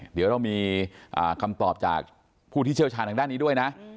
เดี๋ยวเรามีคำตอบจากผู้ที่เชี่ยวชาญทางด้านนี้ด้วยนะ